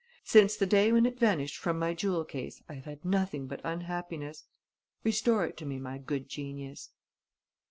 Since the day when it vanished from my jewel case, I have had nothing but unhappiness. Restore it to me, my good genius."